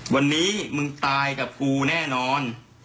วันนี้มึงตายกับกูแน่นอน